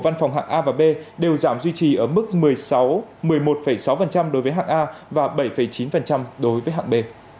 văn phòng hạng a và b đều giảm duy trì ở mức một mươi một sáu đối với hạng a và bảy chín đối với hạng b